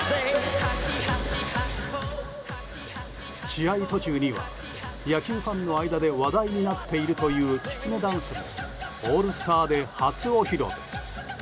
試合途中には野球ファンの間で話題になっているというきつねダンスをオールスターで初お披露目。